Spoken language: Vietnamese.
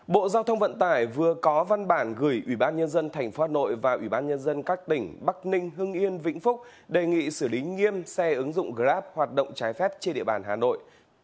bộ giao thông vận tải vừa có văn bản gửi ủy ban nhân dân tp hà nội và ủy ban nhân dân các tỉnh bắc ninh hưng yên vĩnh phúc đề nghị xử lý nghiêm xe ứng dụng grab hoạt động trái phép trên địa bàn hà nội